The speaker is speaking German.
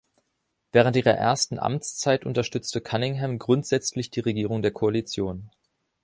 Während ihrer ersten Amtszeit unterstützte Cunningham grundsätzlich die Regierung der Koalition.